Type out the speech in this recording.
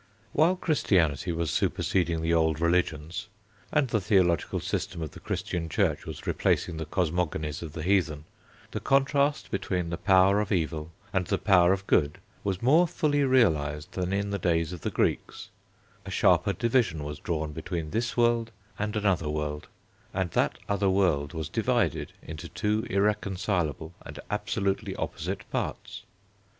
While Christianity was superseding the old religions, and the theological system of the Christian Church was replacing the cosmogonies of the heathen, the contrast between the power of evil and the power of good was more fully realised than in the days of the Greeks; a sharper division was drawn between this world and another world, and that other world was divided into two irreconcilable and absolutely opposite parts.